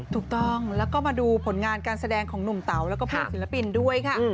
ถูกต้องแล้วก็มาดูผลงานการแสดงของหนุ่มเต๋าแล้วก็เพื่อนศิลปินด้วยค่ะ